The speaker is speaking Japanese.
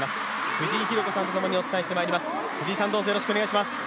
藤井寛子さんとともにお伝えしてまいります。